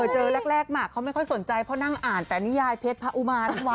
เจอแรกหมากเขาไม่ค่อยสนใจเพราะนั่งอ่านแต่นิยายเพชรพระอุมาทั้งวัน